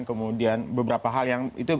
kemudian beberapa hal yang itu